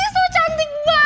cantik banget sih nih orang